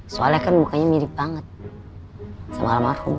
soalnya kan mukanya mirip banget sama almarhum